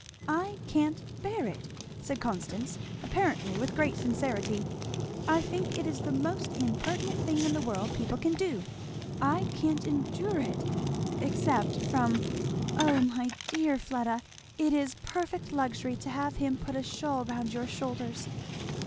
"I can't bear it!" said Constance, apparently with great sincerity; "I think it is the most impertinent thing in the world people can do. I can't endure it except from ! Oh my dear Fleda! it is perfect luxury to have him put a shawl round your shoulders!